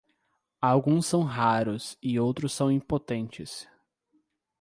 Alguns são raros e os outros são impotentes.